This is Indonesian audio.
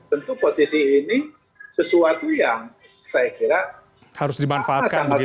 tentu posisi ini sesuatu yang saya kira sangat strategis